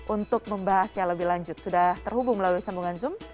untuk membahasnya lebih lanjut sudah terhubung melalui sambungan zoom